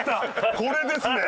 これですね。